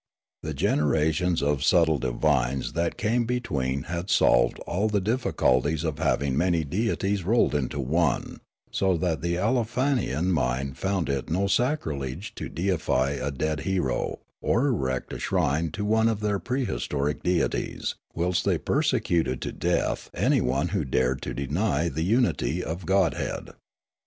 The generations of subtle divines that came between had solved all the difficulties of having many deities rolled into one, so that the Aleofanian mind found it no sacrilege to deify a dead hero or erect a shrine to one of their prehistoric deities, whilst they persecuted to the death anyone who dared to deny the unity of godhead.